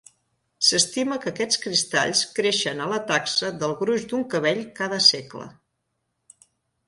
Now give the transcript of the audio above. S'estima que aquests cristalls creixen a la taxa del gruix d'un cabell cada segle.